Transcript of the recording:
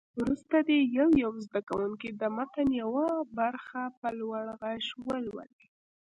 وروسته دې یو یو زده کوونکی د متن یوه برخه په لوړ غږ ولولي.